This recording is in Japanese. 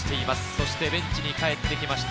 そしてベンチで帰ってきました